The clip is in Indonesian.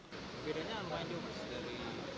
bedanya lumayan juga mas daryl